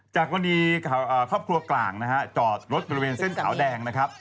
จากวันนี้ครอบครัวกลางนะฮะจอดรถบริเวณเส้นขาวแดงนะครับ